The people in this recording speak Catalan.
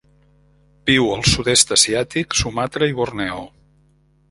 Viu al sud-est asiàtic, Sumatra i Borneo.